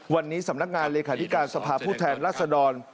วันนี้สำนักงานเลขาธิการสภาพผู้แทนรัศดร